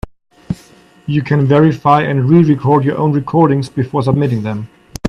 You can verify and re-record your own recordings before submitting them.